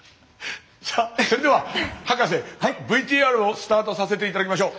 さあそれでは博士ＶＴＲをスタートさせて頂きましょう。